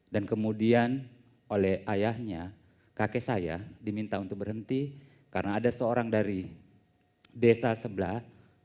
dan kemudian oleh ayahnya kakek saya diminta untuk berhenti karena ada seorang dari desa sebelah